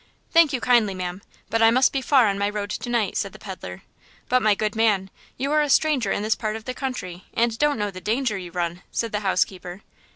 "Thank you kindly, ma'am, but I must be far on my road to night," said the peddler "But, my good man, you are a stranger in this part of the country and don't know the danger you run," said the housekeeper.